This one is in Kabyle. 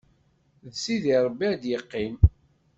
D Sidi Ṛebbi ad yeqqim.